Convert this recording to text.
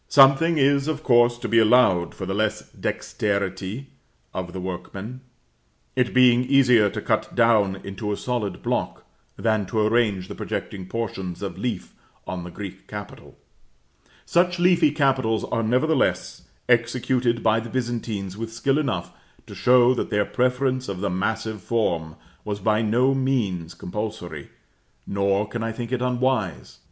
Something is, of course, to be allowed for the less dexterity of the workmen; it being easier to cut down into a solid block, than to arrange the projecting portions of leaf on the Greek capital: such leafy capitals are nevertheless executed by the Byzantines with skill enough to show that their preference of the massive form was by no means compulsory, nor can I think it unwise.